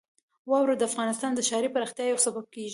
واوره د افغانستان د ښاري پراختیا یو سبب کېږي.